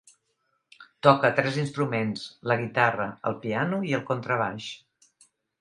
Toca tres instruments: la guitarra, el piano i el contrabaix.